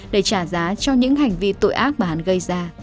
để trả giá cho những hành vi tội ác mà hắn gây ra